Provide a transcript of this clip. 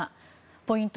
ポイント